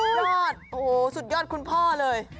ยอดโอ้โหสุดยอดคุณพ่อเลย